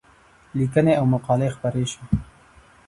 لیکنې او مقالې خپرې شوې.